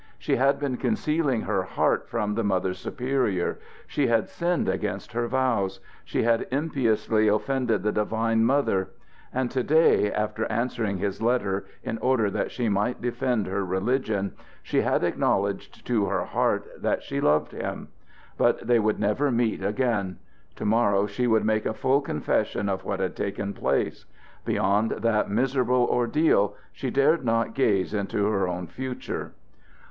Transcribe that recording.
She had been concealing her heart from the Mother Superior. She had sinned against her vows. She had impiously offended the Divine Mother. And to day, after answering his letter in order that she might defend her religion, she had acknowledged to her heart that she loved him. But they would never meet again. To morrow she would make a full confession of what had taken place. Beyond that miserable ordeal she dared not gaze into her own future.